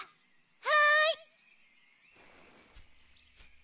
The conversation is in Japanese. はい。